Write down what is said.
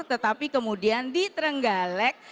tetapi kemudian di trenggalek